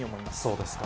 そうですか。